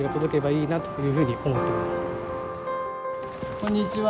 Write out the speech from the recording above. こんにちは。